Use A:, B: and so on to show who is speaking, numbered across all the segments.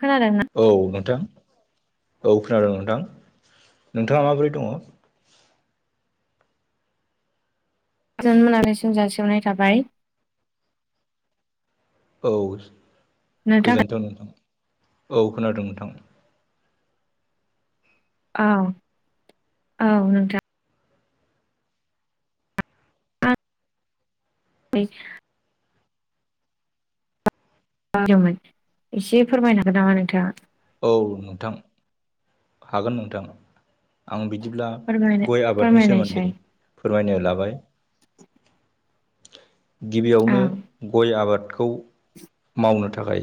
A: खोनादोंना
B: औ नोंथां। औ खोनादों नोंथां नोंथाङा माबोरै दङ'?
A: गोजोन मोनाबिलिसिम जासिहरनाय थाबाय।
B: औ
A: नोंथां
B: गोजोनथों नोंथां, औ खोनादों नोंथां।
A: औ औ नोंथां। आं [unintelligible] बायदोंमोन एसे फोरमायनो हागोन नामा नोंथाङा?
B: औ नोंथां हागोन नोंथां। आं बिदि बिदिब्ला
A: फोरमायनो
B: गय आबादनि सोमोन्दै
A: फोरमायनायसाय
B: फोरमायनो लाबाय
A: औ
B: गिबियावनो गय आबाद खौ मावनो थाखाय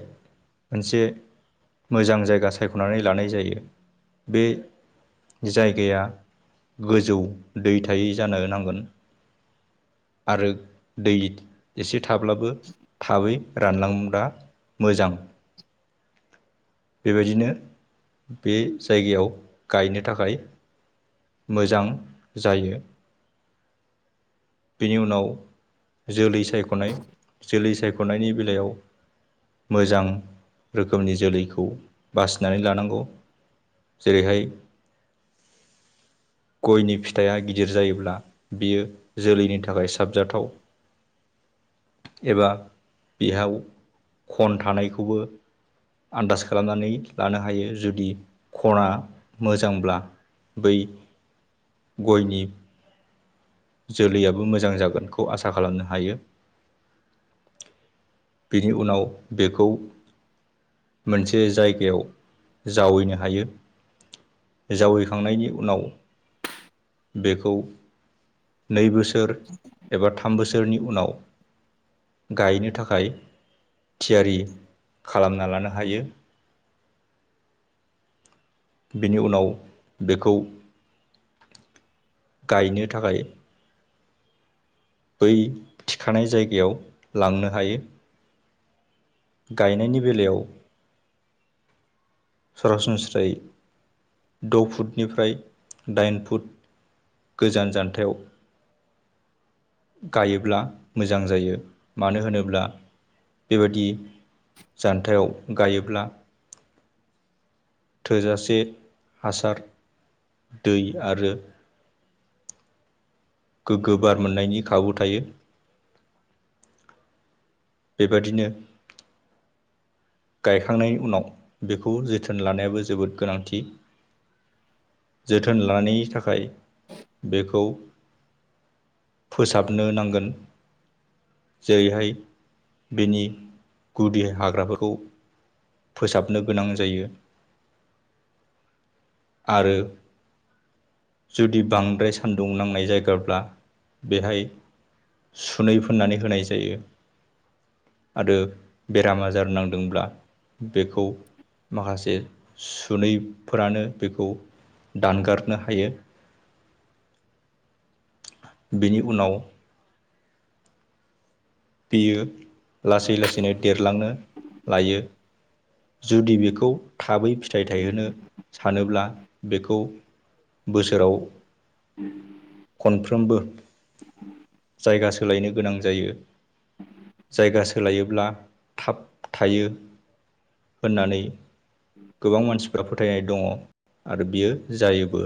B: मोनसे मोजां जायगा सायख'नानै लानाय जायो। बे जायगाया गोजौ दै थायै जानो नांगोन। आरो दै एसे थाब्लाबो थाबै रानलांबा मोजां। बेबायदिनो बे जायगायाव गायनो थाखाय मोजां जायो। बेनि उनाव जोलै सायख'नाय जोलै सायख' ख'नायनि बेलायाव मोजां रोखोमनि जोलैखौ खौ बासिनानै लानांगौ जेरैहाय गयनि फिथाइया गिदिर जायोब्ला बियो जोलैनि थाखाय साबजाथाव एबा बेहयाव खन थानायखौबो आन्दास खालामनानै लानो हायो जुदि खना मोजांब्ला बै गयनि जोलैयाबो मोजां जागोनखौ आसा खालामनो हायो। बेनि उनाव बेखौ मोनसे जायगायाव जावैनो हायो जावैखांनायनि उनाव बेखौ नै बोसोर बोसोर एबा थाम बोसोरनि उनाव गायनो थाखाय थियारि खालामना लानो हायो। बेनि उनाव बेखौ गायनो थाखाय बै थिखानाय जायगायाव लांनो हायो। गायनायनि बेलायाव सरासनस्रायै द' फुटनिफ्राय दाइन फुट गोजान जान्थायाव गायोब्ला मोजां जायो मानो होनोब्ला बेबादि जान्थायाव गायोब्ला थोजासे हासार दै आरो गोगो बार मोननायनि खाबु थायो बेबादिनो गायखांनायनि उनाव बेखौ जोथोन लानायाबो जोबोद गोनांथि जोथोन लानायनि थाखाय बेखौ फोसाबनो नांगोन जेरैहाय बेनि गुदि हाग्राफोरखौ फोसाबनो गोनां जायो आरो जुदि बांद्राय सान्दुं नांनाय जायगाब्ला बेहाय सुनै फोननानै होनाय जायो आरो बेराम आजार नांदोंब्ला बेखौ माखासे बेनि उनाव बियो लासै लासैनो देरलांनो लायो जुदि बेखौ थाबै फि फिथाइ थायहोनो सानोब्ला बेखौ बोसोराव खनफ्रोमबो जायगा सोलायनो गोनां जायो जायगा सोलायोब्ला थाब थायो होननानै गोबां मानसिफ्रा फोथायनाय दङ आरो बियो जायोबो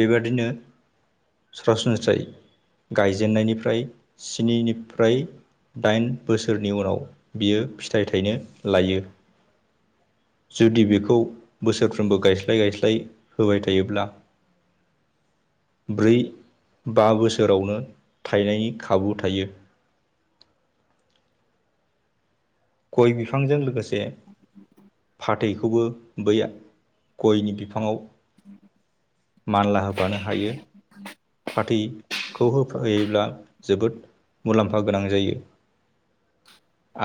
B: बेबादिनो सरासनस्रायै गायजेननायनिफ्राय स्निनिफ्राय दाइन बोसोरनि उनाव बियो फिथाइ थाइनो लायो जुदि बेखौ बोसोरफ्रोमबो गायस्लाय गायस्लाय होबाय थायोब्ला ब्रै बा बोसोरावनो थायनायनि खाबु थायो। गय बिफांजों लोगोसे फाथैखौबो बै गयनि बिफाङाव
A: [unintelligible]
B: मानला होफानो हायो पाथैखौ होफा होयोब्ला जोबोद मुलाम्फा गोनां जायो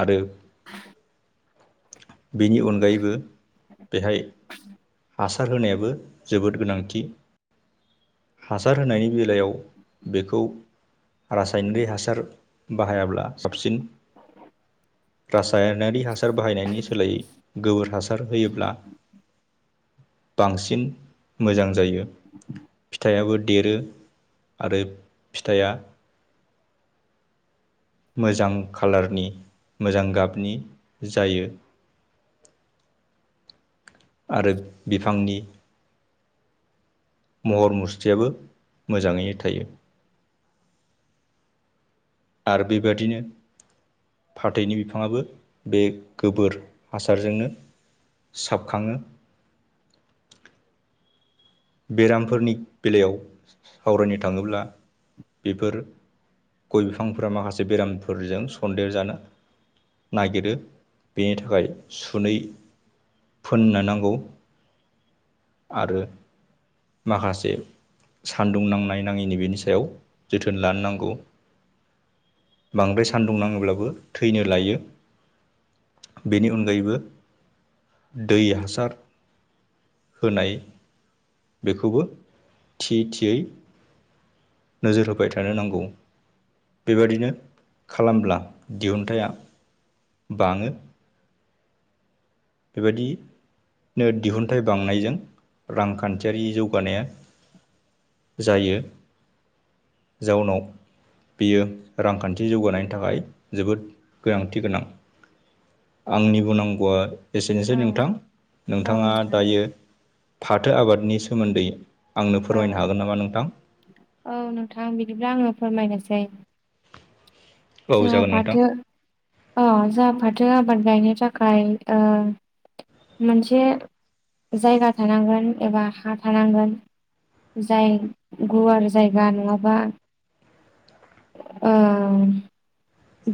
B: आरो बेनि अनगायैबो बेहाय हासार होनायाबो जोबोद गोनांथि हासार होनायनि बेलायाव बेखौ रासायनारि हासार बाहायाब्ला साबसिन रासायनारि हासार बाहायनायनि सोलायै गोबोर हासार होयोब्ला बांसिन मोजां जायो फिथाइाबो देरो आरो फिथाइया मोजां खालारनि मोजां गाबनि जायो। ओ। आरो बिफांनि महर मुस्तयाबो मोजाङैनो थायो। आर बेबायदिनो फाथैनि बिफाङआो बे गोबोर हासारजोंनो साबखाङो। बेरामफोरनि बेलायाव सावरायनो थाङोब्ला बेफोर गय बिफांफोरा माखासे बेरामफोरजों सन्देर जानो नागिरो बेनि थाखाय सुनै फोननो नांगौ आरो माखासे सान्दुं नांनाय नाङैनि बेनि सायाव जोथोन लानो नांगौ। बांद्राय सान्दुं नाङोब्लाबो थैनो लायो बेनि अनगायैबो दै हासार होनाय बेखौबो थि थियै नोजोर होबाय थानो नांगौ। बेबादिनो खालामब्ला दिहुनथाया बाङो। बेबायदि नो दिहुनथाइ बांनायजों रांखान्थियारि जौगानाया जायो जाउनाव बियो रांखान्थि जौगानायनि थाखाय जोबोद गोनांथि गोनां। आंनि बुं नांगौआ एसेनोसै
A: औ
B: नोंथां
A: औ
B: नोंथाङा
A: नोंथां
B: दायो फाथो आबादनि सोमोन्दै आंनो
A: औ
B: फोरमायनो हागोन नामा नोंथां
A: औ नोंथां बिदिब्ला आङो फोरमायनोसै
B: औ
A: जा
B: जागोन नोंथां
A: फाथो औ जा फाथ जों आबाद गायनो थाखाय ओ। मोनसे जायगा थानांगोन एबा हा थानांगोन। जाय गुवार जायगा नङाबा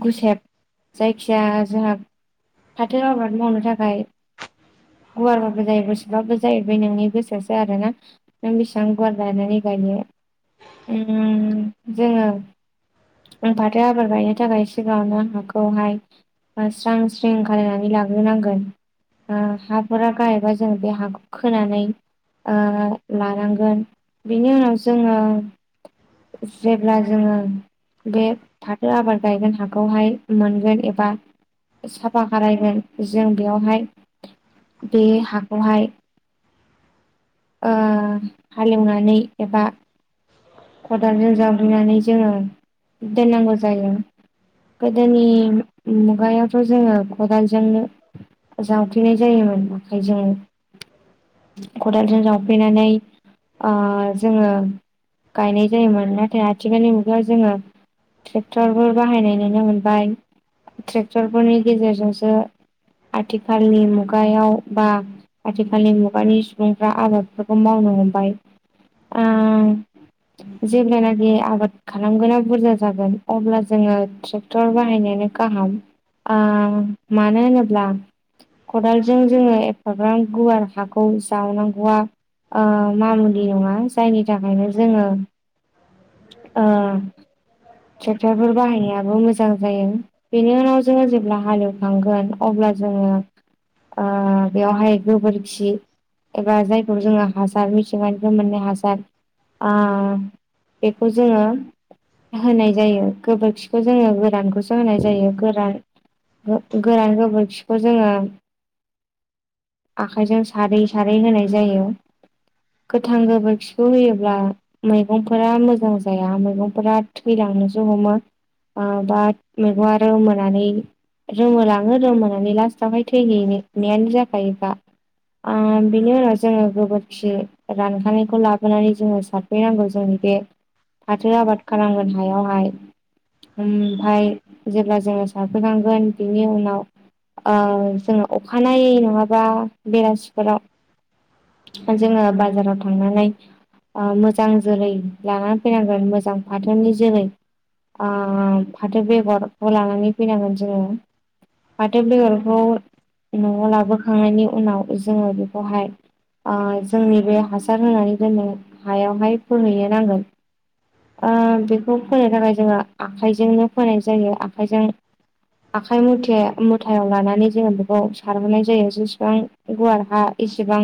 A: गुसेब जायखिया जोंहा फाथो आबाद मावनो थाखाय गुवारबाबो जायो गुसेबाबो जायो बे नोंनि गोसोसो आरोना? नों बेसेबां गुवार गायनानै नो जोङो। आं फाथो आबाद गायनो थाखाय सिगाङावनो हाखौहाय बा स्रां स्रिं खालायनानै लाग्रोनांगोन। ओ हाफोरा गायबा जों बे हाखौ खोनानै लानांगोन बिनि उनाव जोङो जेब्ला जोङो बे फाथो आबाद गायगोन हाखौहाय मोनगोन एबा साफा खारायगोन जों बेयावहाय बे हाखौहाय ओ हालेवनानै एबा खदालजों जाग्लिनानै जोङो दोननांगौ जायो। गोदोनि मुगायावथ' जोङो खदालजोंनो जावफेनाय जायो। औ आखाय जों
B: औ।
A: खदालजों जावफैनानै जोङो गायनाय जायोमोन। नाथाय आथिखालनि मुगायाव जोङो ट्रेक्टरफोर बाहायनाय नुनो मोनबाय ट्रेक्टरफोरनि गेजेरजोंसो आथिखालनि मुगायाव बा आथिखालनि मुगानि सुबुंफ्रा आबादफोरखौ मावनो हमबाय आं
B: [unintelligible]
A: जेब्लानाखि आबाद खालामगोना बुरजा जागोन अब्ला जोङो ट्रेक्टर बाहायनायानो गाहाम ओ मानो होनोब्ला खदालजों जोङो एफाग्रां गुवार हाखौ जावनांगौआ ओ मामुलि नङा जायनि थाखायनो जोङो ओ ट्रेक्टरफोर बाहायनायाबो मोजां जायो बेनि उनाव जोङो जेब्ला हालएवखांगोन अब्ला जोङो ओ ओ बेयावहाय गोबोरखि एबा जायखौ जोङो हासार मिथिंगानिफ्राय मोननाय हासार आ बेखौ जोङो होनाय जायो गोबोरखिखौ जोङो गोरानखौसो होनाय जायो गोरान गो गोरान गोबोरखिखौ जोङो आखाइजों सारै सारै होनाय जायो। गोथां गोबोरखिखौ होयोब्ला मैगंफोरा मोजां जाया मैगंफोरा थैलांनोसो हमो। आ बा मेगंआ रोमोनानै रोमोलाङो रोमोनानै लास्टावहाय थैहैनायानो जाखायोखा। आ बेनि उनाव जोङो गोबोरखि रानखानायखौ लाबोनानै जोङो सार फैनांगौ जोंनि बे फाथो आबाद खालामगोन हायावहाय। ओमफाय जेब्ला जोङो सारफैनांगोन बिनि उनाव ओ जोङो अखानायै नङाबा बेलासिफोराव जोङो बाजाराव थांनानै ओ मो जां जोलै लानानै फैनांगोन मोजां फाथोननि जोलै। ओ फाथो बेगरखौ लानानै फैनांगोन जोङो फाथो बेगरखौ न'आव लाबोखांनायनि उनाव जोङो बेखौहाय ओ जोंनि बे हासार होनानै दोननो हायावहाय फोहैनो नांगोन। ओ बेखौ फोनो थाखाय जोङो आखाइजोंनो फोनाय जायो आखाइजों आखाइ मुथे मुथायाव लानानै जोङो बेखौ सारहोनाय जायो जेसेबां गुवार हा। एसेबां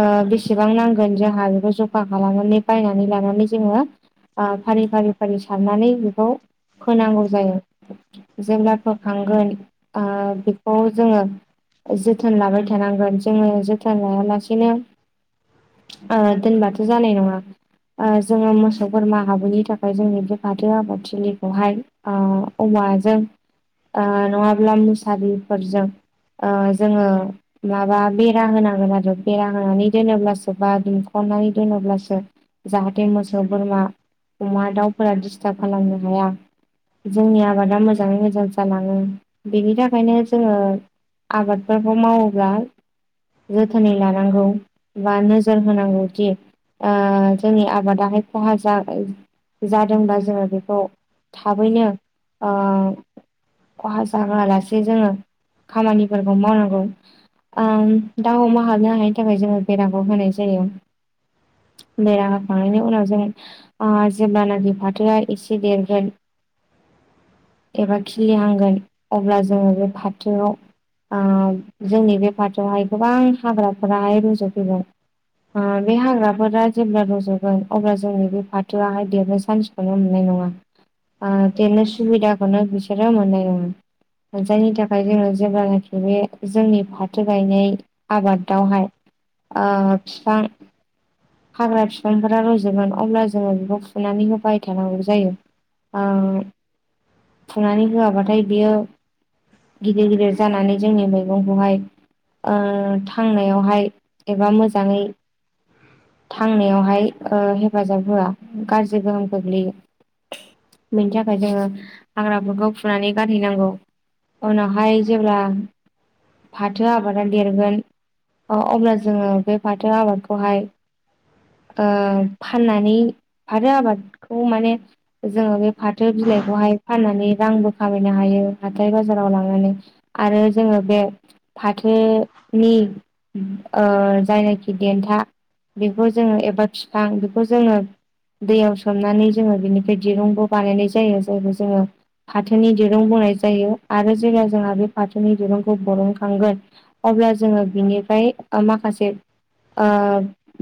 A: ओ बेसेबां नांगोन जोंहा बेखौ ज मा खालामनानै बायनानै लानानै जोङो ओ फारि फारि फारि सारनानै बेखौ फोनांगौ जायो जेब्ला फोखांगोन आ बेखौ जोङो जोथोन लाबाय थानांगोन जोङो जोथोन लायालासेनो ओ दोनबाथ' जानाय नङा ओ जोङो मोसौ बोरमा हाबैनि थाखाय जोंनि बे फाथो आबादथिलिखौहाय ओ अ माजों ओ नङाब्ला मुसारिफोरजों ओ जोङो माबा बेरा होनांगोन आरो बेरा होनानै दोनोब्लासो बा दुमखनानै दोनोब्लासो जाहाथे मोसौ बोरमा अमा दाउफोरा डिस्टार्ब खालामनो हाया। जोंनि आबादा मोजाङै मोजां जालाङो बेनि थाखायनो जोङो आबादफोरखौ मावोब्ला जोथोनै लानांगौ बा नोजोर होनांगौदि ओ जोंनि आबादाहाय खहा जा जादोंब्ला जोङो बेखौ थाबैनो ओ खहा जाहोआ लासे जोङो खामानिफोरखौ मावनांगौ। ओम दाउ अमा हाबनो हायैनि थाखाय जोङो बेराखौ होनाय जायो। बेरा होखांनायनि उनाव जोङो ओ जेब्लानाखि फाथोआ एसे देरगोन
B: [inaudible]
A: एबा खिलिहांगोन अब्ला जोङो बे फाथोआव ओ जोंनि बे फाथोआवहाय गोबां हाग्राफोराहाय रुजफैबाय। ओ बे हाग्रा फोरा जेब्ला रज'गोन अब्ला जोंनि बे फाथोआहाय देरनो सान्सखौनो मोननाय नङा। आ देरनो सुबिदाखौनो बिसोरो मोननाय नङा। जायनि थाखाय जोङो जेब्लानाखि बे जोंनि फाथो गायनाय आबादावहाय ओ फिफां हाग्रा बिफांफोरा रजगोन अब्ला जोङो बेखौ फुनानै होबाय थानांगौ जायो। ओ फुनानै होयाबाथाय बियो गिदिर गिदिर जानानै जोंनि मैगंखौहाय ओ थांनायावहाय एबा मोजाङै थांनायावहाय ओ हेफाजाब होया गाज्रि गोहोम खग्लैयो। बेनि थाखाय जोङो हाग्राफोरखौ फुनानै गारहैनांगौ। उनावहाय जेब्ला फाथो आबादा देरगोन अ अब्ला जोङो बे फाथो आबादखौहाय
B: [inaudible]
A: ओ फाननानै फाथो आबादखौ माने जोङो बे फाथो बिलाइखौ हाय फानानै रांबो खामायनो हायो हाथाय बाजाराव लांनानै आरो जोङो बे फाथोनि ओ जायनाखि देन्था बेखौ जोङो एबा फिफां बेखौ जोङो दैयाव सोमनानै जोङो बेनिफ्राय दिरुंबो बानायनाय जायो। जायखौ जोङो फाथोनि दिरुं बुंनाय जायो आरो जेब्ला जोंहा बे फाथोनि दिरुंखौ बरनखांगोन अब्ला जोङो बिनिफ्राय माखासे ओ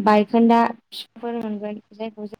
A: बायखोन्दा फिफांफोर मोनगोन जायखौ जों